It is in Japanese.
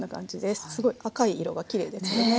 すごい赤い色がきれいですよね。